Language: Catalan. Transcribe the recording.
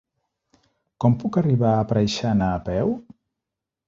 Com puc arribar a Preixana a peu?